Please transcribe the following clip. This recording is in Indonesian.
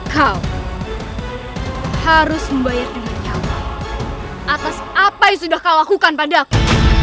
kau harus membayar dengan nyawa atas apa yang sudah kau lakukan padaku